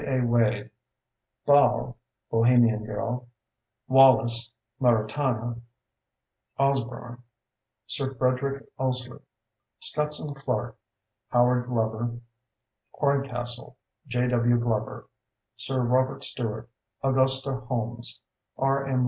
A. Wade, Balle (Bohemian Girl), Wallace (Maritana), Osborne, Sir Frederick Ouseley, Scotson Clarke, Howard Glover, Horncastle, J. W. Glover, Sir Robert Stewart, Augusta Holmes, R. M.